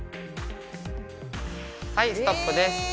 はいストップです。